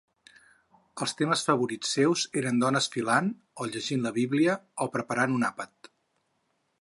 Els temes favorits seus eren dones filant, o llegint la Bíblia, o preparant un àpat.